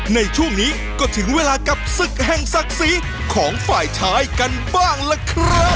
ในช่วงนี้ก็ถึงเวลากับศึกแห่งศักดิ์ศรีของฝ่ายชายกันบ้างล่ะครับ